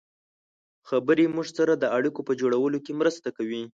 خبرې موږ سره د اړیکو په جوړولو کې مرسته کوي.